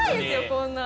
こんな。